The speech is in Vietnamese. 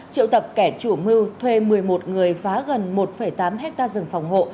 triệu tập kẻ chủ mưu thuê một mươi một người phá gần một tám hectare rừng phòng hộ